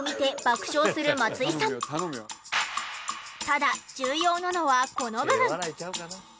ただ重要なのはこの部分。